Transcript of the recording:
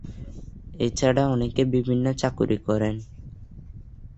এছাড়া অনেকে বিভিন্ন চাকুরী করেন।